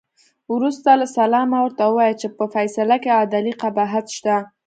وروسته له سلامه ورته ووایه چې په فیصله کې عدلي قباحت شته.